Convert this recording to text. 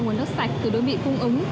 nguồn nước sạch từ đối bị cung ứng